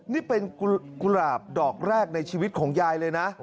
นี่เป็นกุหลาบดอกแรกในชีวิตของยายเลยนะ